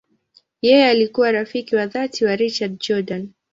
Yeye alikuwa rafiki wa dhati wa Richard Jordan.